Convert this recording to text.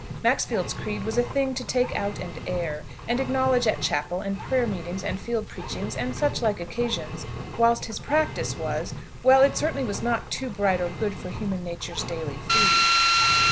Maxfield's creed was a thing to take out and air, and acknowledge at chapel, and prayer meetings, and field preachings, and such like occasions; whilst his practice was well, it certainly was not "too bright or good for human nature's daily food."